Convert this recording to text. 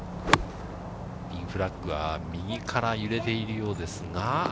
フラッグは右から揺れているようですが。